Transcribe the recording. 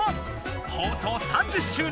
放送３０周年